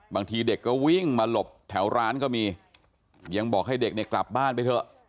บางทีเด็กก็วิ่งมาหลบแถวร้านก็มียังบอกให้เด็กเนี่ยกลับบ้านไปเถอะ